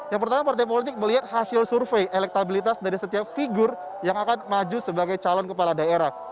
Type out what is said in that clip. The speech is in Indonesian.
yang pertama partai politik melihat hasil survei elektabilitas dari setiap figur yang akan maju sebagai calon kepala daerah